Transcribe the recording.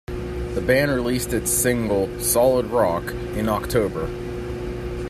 The band released its single "Solid Rock" in October.